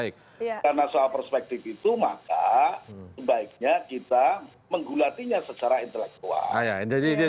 karena soal perspektif itu maka sebaiknya kita menggulatinya secara intelektual